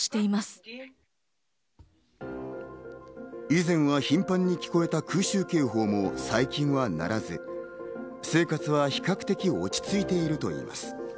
以前は頻繁に聞こえた空襲警報も最近は鳴らず、生活は比較的落ち着いているといいます。